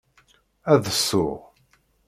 Ad tsuɣ.